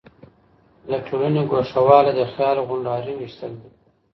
له ټولني ګوښه والی د خيال غونډاري ويشتل دي.